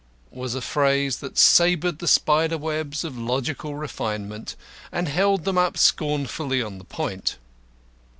It was a phrase that sabred the spider webs of logical refinement, and held them up scornfully on the point.